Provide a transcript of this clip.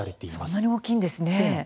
そんなに大きいんですね。